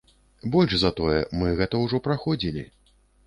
Больш за тое, мы гэта ўжо праходзілі.